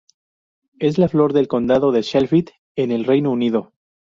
Es la flor del condado de Sheffield en el Reino Unido.